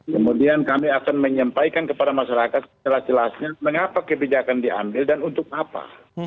kemudian kami akan menyampaikan kepada masyarakat jelas jelasnya mengapa kebijakan diambil dan untuk apa